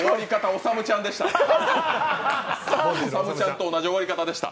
おさむちゃんと同じ終わり方でした。